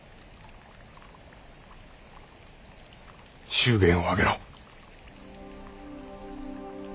祝言を挙げろ。